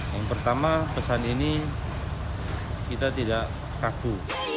yang pertama pesan ini kita tidak kaku